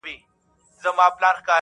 ما یې تنې ته زلمۍ ویني اوبه خور ورکاوه-